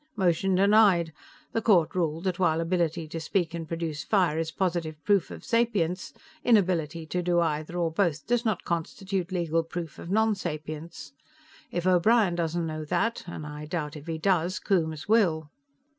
Motion denied; the court ruled that while ability to speak and produce fire is positive proof of sapience, inability to do either or both does not constitute legal proof of nonsapience. If O'Brien doesn't know that, and I doubt if he does, Coombes will."